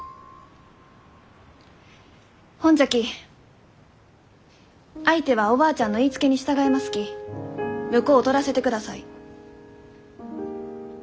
ほんじゃき相手はおばあちゃんの言いつけに従いますき婿を取らせてください。